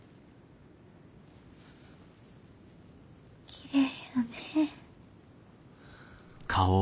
きれいやね。